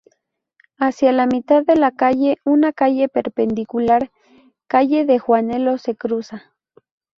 Hacia la mitad de la calle, una calle perpendicular, Calle de Juanelo, se cruza.